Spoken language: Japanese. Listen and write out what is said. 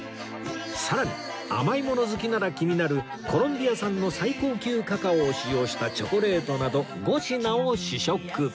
さらに甘いもの好きなら気になるコロンビア産の最高級カカオを使用したチョコレートなど５品を試食